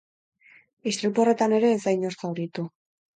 Istripu horretan ere ez da inor zauritu.